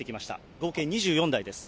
合計２４台です。